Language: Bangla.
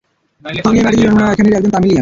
তিনি এই মাটিতে জন্ম নেওয়া এখানেরই একজন তামিলিয়ান!